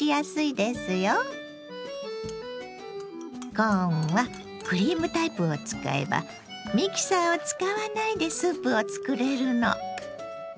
コーンはクリームタイプを使えばミキサーを使わないでスープを作れるの。